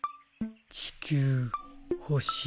地球ほしい。